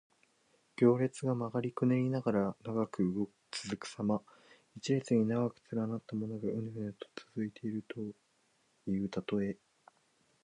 行列が曲がりくねりながら長く続くさま。一列に長く連なったものが、うねうねと続いているというたとえ。